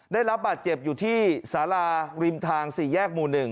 ได้รับบาดเจ็บอยู่ที่สาราริมทาง๔แยกหมู่๑